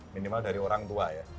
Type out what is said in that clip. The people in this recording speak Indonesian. minimal dari orang tua ya